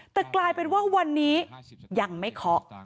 แต่กลายเป็นว่าวันนี้ยังไม่เคาะ